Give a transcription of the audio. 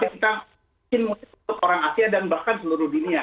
kita mungkin untuk orang asia dan bahkan seluruh dunia